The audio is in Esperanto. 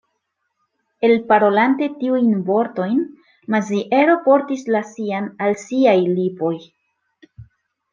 Elparolante tiujn vortojn, Maziero portis la sian al siaj lipoj.